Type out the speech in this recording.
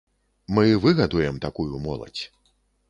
Мы выгадуем такую моладзь.